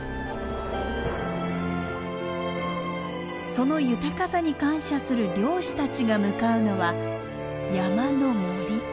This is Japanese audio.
その豊かさに感謝する漁師たちが向かうのは山の森。